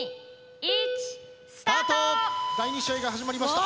（菊田第２試合が始まりました。